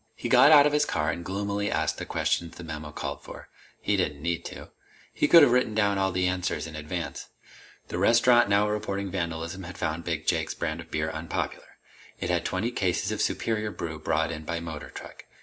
He got out of his car and gloomily asked the questions the memo called for. He didn't need to. He could have written down all the answers in advance. The restaurant now reporting vandalism had found big Jake's brand of beer unpopular. It had twenty cases of a superior brew brought in by motor truck.